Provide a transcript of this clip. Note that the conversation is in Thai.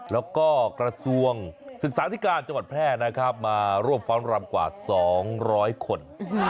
แล้วก็กระทรวงศึกษาธิการจังหวัดแพร่นะครับมาร่วมฟ้อนรำกว่า๒๐๐คน